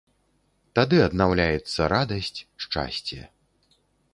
Тады аднаўляецца радасць, шчасце.